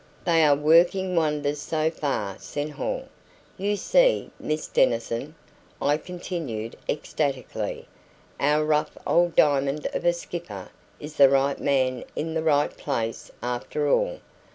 "They are working wonders so far, senhor." "You see, Miss Denison," I continued ecstatically, "our rough old diamond of a skipper is the right man in the right place after all.